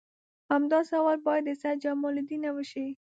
همدا سوال باید د سید جمال الدین نه وشي.